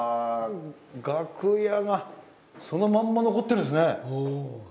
楽屋がそのまんま残ってるんですね。